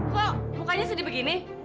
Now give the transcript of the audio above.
kok mukanya sedih begini